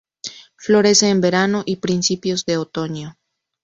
Florece en verano y principios de otoño.